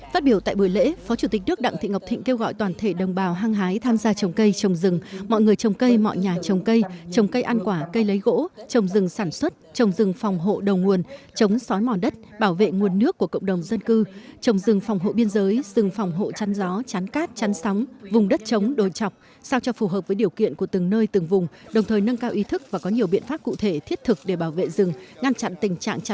phát biểu tại buổi lễ phó chủ tịch nước đặng thị ngọc thịnh kêu gọi toàn thể đồng bào hăng hái tham gia trồng cây trồng rừng mọi người trồng cây mọi nhà trồng cây trồng cây ăn quả cây lấy gỗ trồng rừng sản xuất trồng rừng phòng hộ đầu nguồn chống xói mòn đất bảo vệ nguồn nước của cộng đồng dân cư trồng rừng phòng hộ biên giới rừng phòng hộ chăn gió chắn cát chắn sóng vùng đất chống đồi chọc sao cho phù hợp với điều kiện của từng nơi từng vùng đồng thời nâng cao ý thức và có nhiều bi